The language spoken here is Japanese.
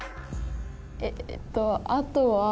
えっとあとは。